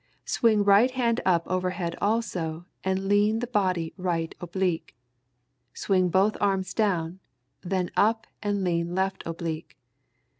Swing right hand up over head also, and lean the body right oblique. Swing both arms down, then up and lean left oblique.